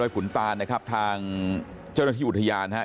ขุนตานนะครับทางเจ้าหน้าที่อุทยานนะครับ